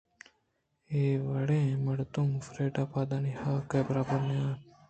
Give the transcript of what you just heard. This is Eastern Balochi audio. اے وڑیں مردم فریڈا ءِ پادانی حاک ءِ بروبر نہ اِنت